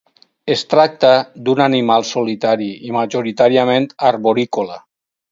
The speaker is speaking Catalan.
Es tracta d'un animal solitari i majoritàriament arborícola.